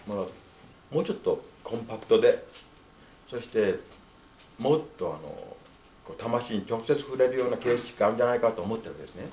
もうちょっとコンパクトでそしてもっと魂に直接触れるような形式があるんじゃないかと思ってるんですね。